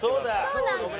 そうなんですよ。